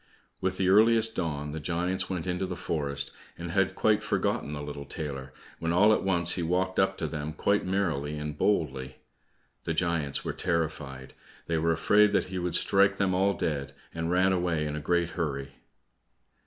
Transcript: With the earliest dawn the giants went into the forest, and had quite forgotten the little tailor, when all at once he walked up to them quite merrily and boldly. The giants were terrified, they were afraid that he would strike them all dead, and ran away in a great hurry.